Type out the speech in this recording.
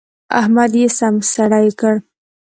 احمد يې سم سړی کړ.